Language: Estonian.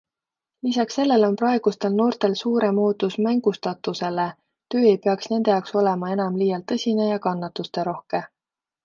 Lisaks sellele on praegustel noortel suurem ootus mängustatusele - töö ei peaks nende jaoks olema enam liialt tõsine ja kannatusterohke.